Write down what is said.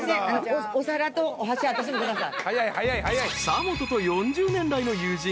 ［久本と４０年来の友人］